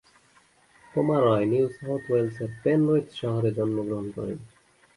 পোমারয় New South ওয়েলসের Penrith শহরে জন্মগ্রহণ করেন।